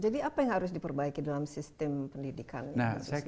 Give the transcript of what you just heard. jadi apa yang harus diperbaiki dalam sistem pendidikan